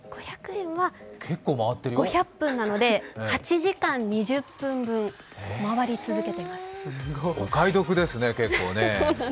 ５００円は５００分なので８時間２０分分お買い得ですね。